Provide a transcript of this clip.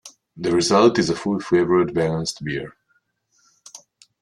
The result is a full flavoured balanced beer.